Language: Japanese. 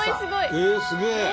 えっすげえ。